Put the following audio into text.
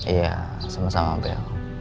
iya sama sama bel